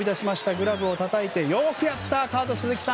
グラブをたたいてよくやったカート・スズキさん